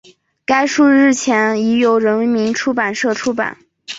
该书日前已由人民出版社出版